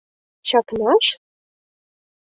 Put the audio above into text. Чакнаш?